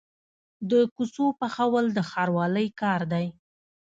د کوڅو پخول د ښاروالۍ کار دی